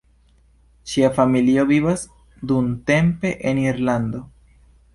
Ŝia familio vivas dumtempe en Irlando.